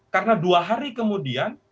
karena dua hari kemudian